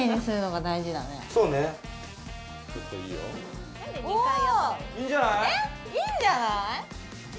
いいんじゃない？